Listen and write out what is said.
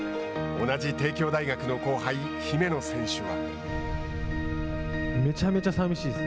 同じ帝京大学の後輩、姫野選手は。